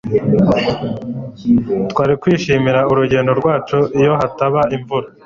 twari kwishimira urugendo rwacu iyo hataba imvura